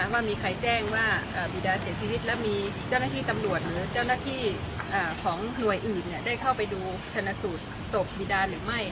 ว่ามีใครแจ้งว่าบีดาเสียชีวิตแล้วมีเจ้าหน้าที่ตำรวจหรือเจ้าหน้าที่ของหน่วยอื่นได้เข้าไปดูชนะสูตรศพบีดาหรือไม่